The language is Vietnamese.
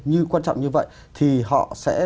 như quan trọng như vậy thì họ sẽ